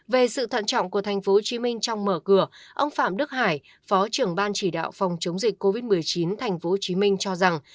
về sự thận trọng của tp hcm trong mở cửa ông phạm đức hải phó trưởng ban chỉ đạo phòng chống dịch covid một mươi chín tp hcm cho rằng